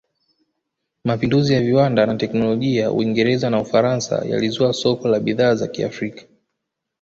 Mapinduzi ya Viwanda na Teknolojia Uingereza na Ufaransa yalizua soko la bidhaa za Kiafrika